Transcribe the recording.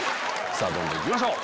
どんどんいきましょう。